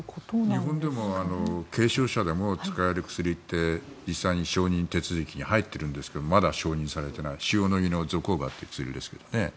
日本でも軽症者でも使える薬って実際に承認手続きに入っているんですけどまだ承認されていない塩野義のゾコーバという薬ですけどね。